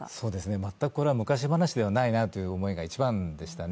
全くこれは昔話ではないなという思いが一番でしたね。